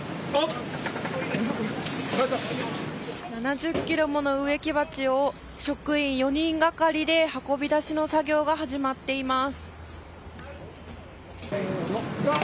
７０ｋｇもの植木鉢を職員４人がかりで運び出しの作業が始まっています。